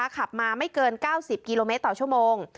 ขับมาไม่เกิน๙๐กิโลเมตรต่อชั่วโมง